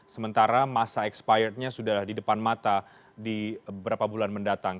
sementara masa expirednya sudah di depan mata di beberapa bulan mendatang